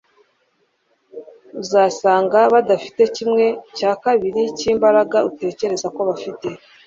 Uzasanga badafite kimwe cya kabiri cy'imbaraga utekereza ko bafite. ”